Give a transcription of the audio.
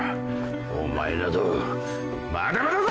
お前などまだまだだ！